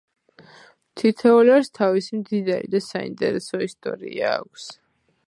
თითოეულ ერს თავისი მდიდარი და საინტერესო ისტორია აქვს.